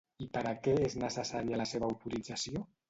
I per a què és necessària la seva autorització?